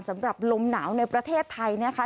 สำหรับลมหนาวในประเทศไทยนะคะ